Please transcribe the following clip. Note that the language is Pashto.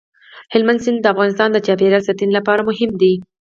هلمند سیند د افغانستان د چاپیریال ساتنې لپاره مهم دي.